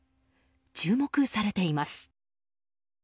注目されています。